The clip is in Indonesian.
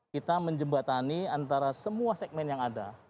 kita menjembatani antara semua segmen yang ada